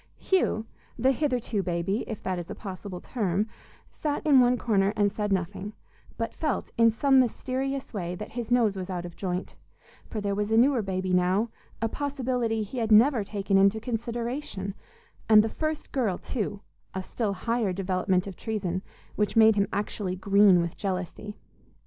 Hugh, the "hitherto baby," if that is a possible term, sat in one corner and said nothing, but felt, in some mysterious way, that his nose was out of joint; for there was a newer baby now, a possibility he had never taken into consideration; and the "first girl," too, a still higher development of treason, which made him actually green with jealousy.